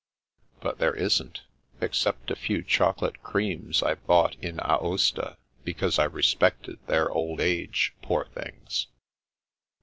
" But there isn't— except a few chocolate creams I bought in Aosta because I respected their old age, poor things."